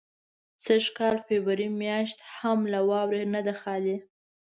سږ کال فبروري میاشت هم له واورو نه ده خالي.